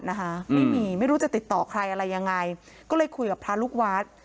นะคะไม่มีไม่รู้จะติดต่อใครอะไรยังไงก็เลยคุยกับพระลูกวัด